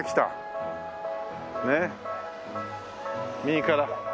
右から。